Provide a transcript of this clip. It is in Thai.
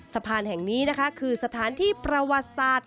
สะพานแห่งนี้นะคะคือสถานที่ประวัติศาสตร์